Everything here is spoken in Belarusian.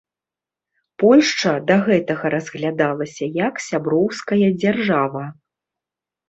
Польшча да гэтага разглядалася як сяброўская дзяржава.